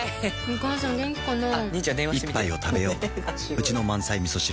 一杯をたべよううちの満菜みそ汁